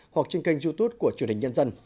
hoặc trên kênh youtube của truyền hình nhân dân